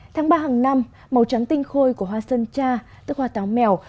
tháng ba hàng năm màu trắng tinh khôi của hoa sơn cha tức hoa táo mèo